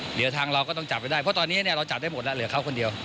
เดี๋ยวทางเราก็ต้องจับให้ได้เพราะตอนนี้เราจับได้หมดแล้วเหลือเขาคนเดียว